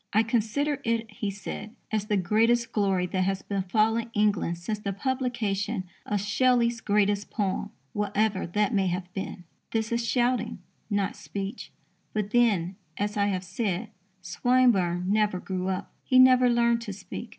"I consider it," he said, "as the greatest glory that has befallen England since the publication of Shelley's greatest poem, whatever that may have been." This is shouting, not speech. But then, as I have said, Swinburne never grew up. He never learned to speak.